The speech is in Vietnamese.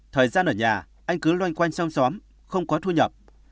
thời gian ở nhà anh cứ loanh quanh xong xóm không có thu nhập